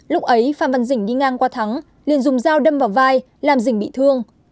lúc ấy phan văn dỉnh đi ngang qua thắng liền dùng dao đâm vào vai làm dình bị thương